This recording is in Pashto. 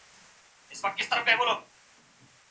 که زاویه سمه وي نو دیوال نه چپه کیږي.